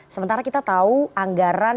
sementara kita tahu anggaran